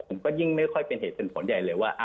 ก็ยิ่งไม่ค่อยเป็นเหตุผลใหญ่เลยว่า